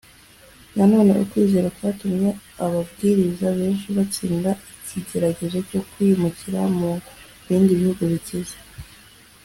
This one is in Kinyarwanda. nanone ukwizera kwatumye ababwiriza benshi batsinda ikigeragezo cyo kwimukira mu bindi bihugu bikize.